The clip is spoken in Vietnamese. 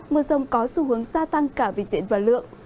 mưa rông có xu hướng gia tăng cả về diện và lượng